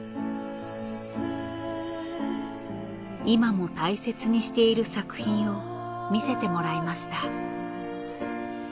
今も大切にしている作品を見せてもらいました。